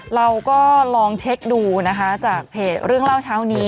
เราก็ลองเช็คดูนะคะจากเพจเรื่องเล่าเช้านี้